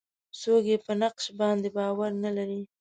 څوک یې په نقش باندې باور نه لري.